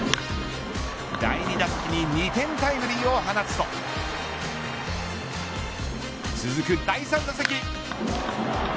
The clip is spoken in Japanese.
第２打席に２点タイムリーを放つと続く第３打席。